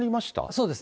そうです。